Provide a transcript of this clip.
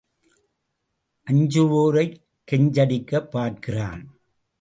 அஞ்சுவோரைக் கெஞ்சடிக்கப் பார்க்கிறான்.